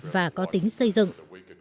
và có tính xây dựng